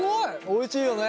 おいしいよね！